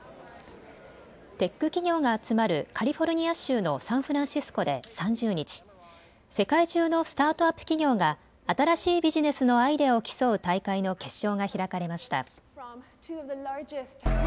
テック企業が集まるカリフォルニア州のサンフランシスコで３０日、世界中のスタートアップ企業が新しいビジネスのアイデアを競う大会の決勝が開かれました。